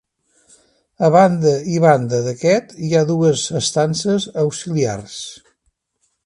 A banda i banda d'aquest hi ha dues estances auxiliars.